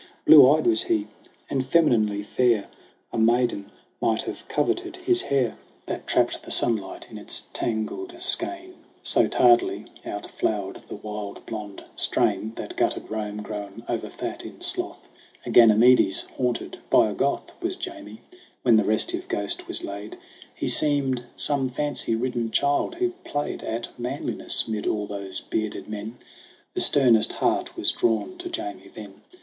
Blue eyed was he and femininely fair. A maiden might have coveted his hair GRAYBEARD AND GOLDHAIR 3 That trapped the sunlight in its tangled skein^J So, tardily, outflowered the wild blond strain That gutted Rome grown overfat in sloth. A Ganymedes haunted by a Goth Was Jamie. When the restive ghost was laid, He seemed some fancy ridden child who played At manliness 'mid all those bearded men. The sternest heart was drawn to Jamie then.